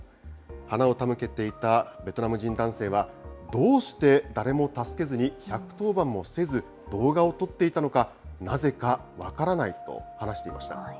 花を手向けていたベトナム男性は、どうして誰も助けずに、１１０番もせず、動画を撮っていたのか、なぜか分からないと話していました。